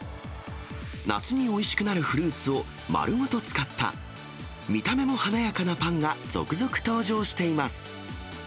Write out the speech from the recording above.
夏においしくなるフルーツを丸ごと使った、見た目も華やかなパンが続々登場しています。